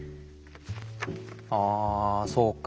あそうか。